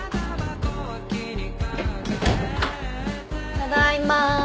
ただいま。